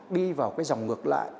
đi vào cái dòng ngược lại